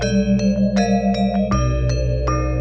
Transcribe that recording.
jangan tuntaskan tangan